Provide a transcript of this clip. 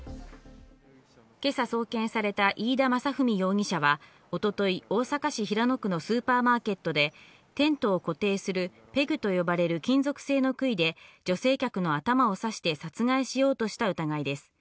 今朝送検された飯田雅史容疑者は一昨日、大阪市平野区のスーパーマーケットでテントを固定するペグと呼ばれる金属製の杭で女性客の頭を刺して殺害しようとした疑いです。